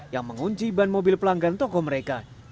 yang mengunci ban mobil pelanggan toko mereka